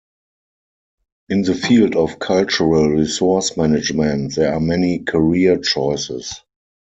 In the field of cultural resource management there are many career choices.